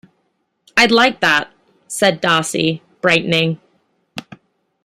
"I'd like that," said Darcie, brightening.